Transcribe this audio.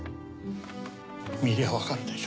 見りゃわかるでしょ。